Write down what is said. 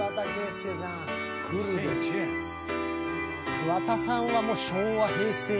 桑田さんはもう昭和平成。